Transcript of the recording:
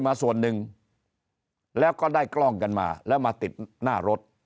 มาส่วนหนึ่งแล้วก็ได้กล้องกันมาแล้วมา